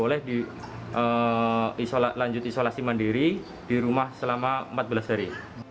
boleh dilanjut isolasi mandiri di rumah selama empat belas hari